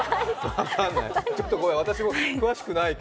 分かんない。